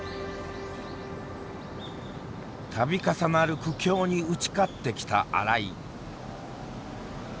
度重なる苦境に打ち勝ってきた新井。